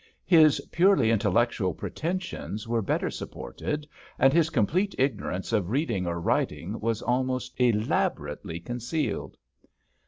His purely intellectual pretensions were better supported, and his complete ignorance of reading or writing was almost elaborately concealed.